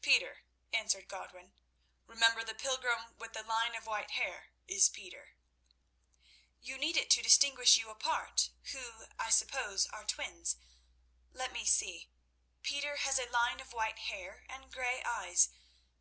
"Peter," answered Godwin. "Remember the pilgrim with the line of white hair is Peter." "You need it to distinguish you apart, who, I suppose, are twins. Let me see—Peter has a line of white hair and grey eyes.